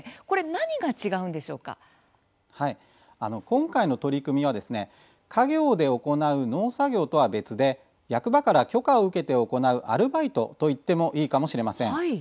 今回の取り組みは家業で行う農作業とは別で役場から許可を受けて行うアルバイトといってもいいかもしれません。